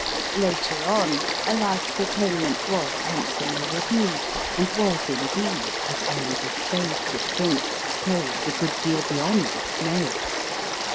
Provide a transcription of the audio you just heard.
Later on, A Life s Atonement was handsomely reviewed, and was indeed, as I am disposed to think, praised DAVID CHRISTIE MURRAY 205 a good deal beyond its merits.